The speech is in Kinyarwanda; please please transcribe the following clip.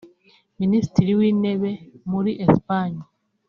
Minisitiri w’intebe muri Esipanye